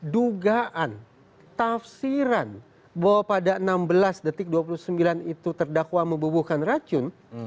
dugaan tafsiran bahwa pada enam belas detik dua puluh sembilan itu terdakwa membubuhkan racun